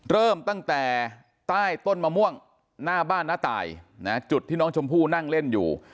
เริ่มตั้งแต่ใต้ต้นมะม่วงหน้าบ้านน้าตายนะจุดที่น้องชมพู่นั่งเล่นอยู่